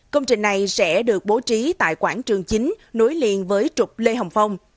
công trình này sẽ được bố trí tại quảng trường chính nối liền với trục lê hồng phong